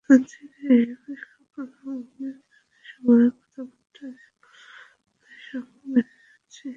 অচিরেই আবিষ্কার করলাম আমিও তাদের সঙ্গে কথাবার্তায় সমানতালে স্ল্যাং মেরে যাচ্ছি।